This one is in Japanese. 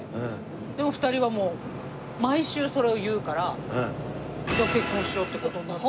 でも２人はもう毎週それを言うからじゃあ結婚しようっていう事になった。